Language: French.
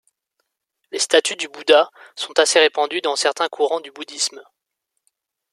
Les statues du Bouddha sont assez répandues dans certains courants du Bouddhisme.